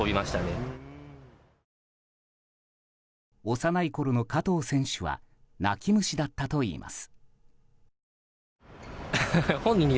幼いころの加藤選手は泣き虫だったといいます。